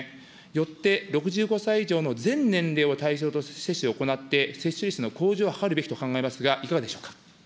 よって６５歳以上の全年齢を対象として接種を行って、接種率の向上を図るべきと考えますが、いかがでしょうか。